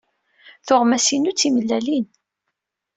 Tuɣmas-inu d timellalin.